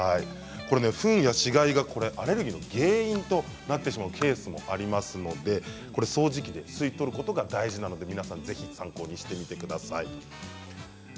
フンや死骸がアレルギーの原因となってしまうケースもありますので掃除機で吸い取ることが大事なので、ぜひ参考にしてみてください。